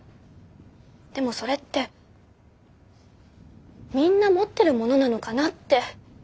でもそれってみんな持ってるものなのかなって。